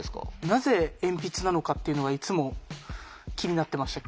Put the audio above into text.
なぜ鉛筆なのかっていうのがいつも気になってました。